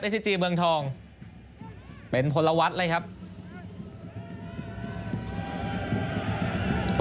เอสซีจีเมืองทองเป็นพลวัตรเลยครับ